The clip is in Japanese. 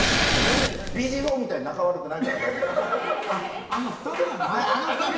ビジー・フォーみたいに仲悪くないから大丈夫。